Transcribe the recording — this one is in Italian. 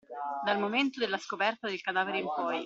Dal momento della scopetta del cadavere in poi.